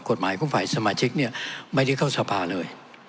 กฎหมายของฝ่ายสมาชิกเนี่ยไม่ได้เข้าสภาเลย